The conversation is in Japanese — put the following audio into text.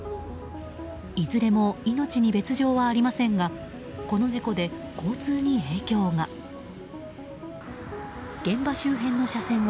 いずれも命に別条はありませんがこの事故で交通に影響が。